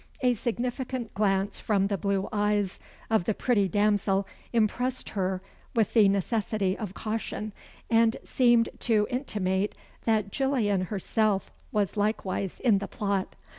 A significant glance from the blue eyes of the pretty damsel impressed her with the necessity of caution, and seemed to intimate that Gillian herself was likewise in the plot.